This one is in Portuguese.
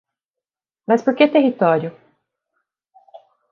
Mas por que território?